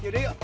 ya udah yuk